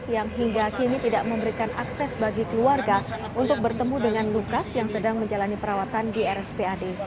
yang hingga kini tidak memberikan akses bagi keluarga untuk bertemu dengan lukas yang sedang menjalani perawatan di rspad